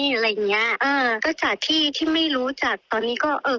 อะไรอย่างเงี้ยเออก็จากที่ที่ไม่รู้จักตอนนี้ก็เออ